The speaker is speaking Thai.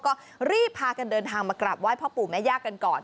ก็รีบพากันเดินทางมากราบไห้พ่อปู่แม่ย่ากันก่อน